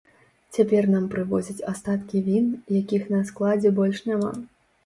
Цяпер нам прывозяць астаткі він, якіх на складзе больш няма.